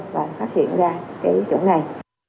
và phát hiện ra cái chủng này